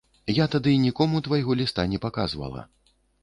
Я тады нікому твайго ліста не паказвала.